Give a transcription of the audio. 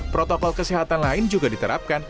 protokol kesehatan lain juga diterapkan